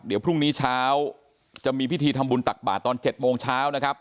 เดี๋ยวพรุ่งนี้เช้าจะมีพิธีทำบุญตักบาทตอน๗โมงเช้านะครับ